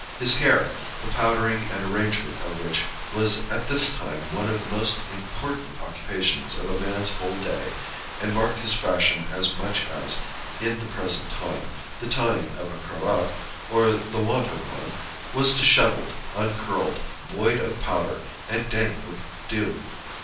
His hair, the powdering and arrangement of which was at this time one of the most important occupations of a man's whole day, and marked his fashion as much as, in the present time, the tying of a cravat, or the want of one, was disheveled, uncurled, void of powder, and dank with dew.